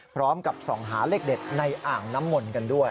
พร้อมกับส่องหาเลขเด็ดในอ่างน้ำมนต์กันด้วย